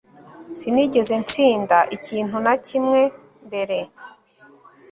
Sinigeze ntsinda ikintu na kimwe mbere